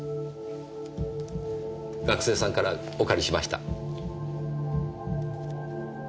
学生さんからお借りしました。